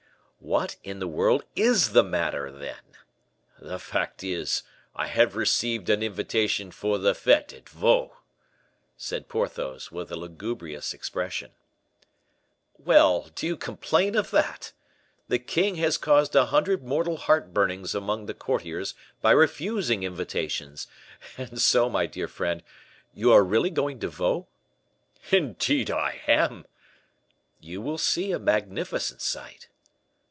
"What in the world is the matter, then?" "The fact is, I have received an invitation for the fete at Vaux," said Porthos, with a lugubrious expression. "Well! do you complain of that? The king has caused a hundred mortal heart burnings among the courtiers by refusing invitations. And so, my dear friend, you are really going to Vaux?" "Indeed I am!" "You will see a magnificent sight."